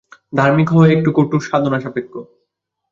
ধার্মিক হওয়া একটু কঠোর সাধনাসাপেক্ষ।